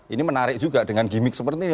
ini menarik juga dengan gimmick seperti ini